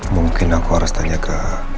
mungkin aku harus tanya ke